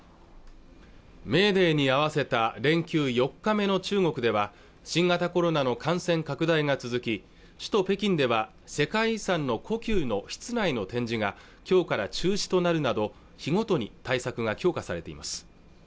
メーデーに合わせた連休４日目の中国では新型コロナの感染拡大が続き首都北京では世界遺産の故宮の室内の展示がきょうから中止となるなど日ごとに対策が強化されています